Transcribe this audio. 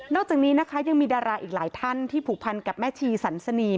จากนี้นะคะยังมีดาราอีกหลายท่านที่ผูกพันกับแม่ชีสันสนีม